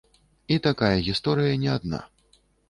І такая гісторыя не адна.